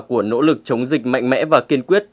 của nỗ lực chống dịch mạnh mẽ và kiên quyết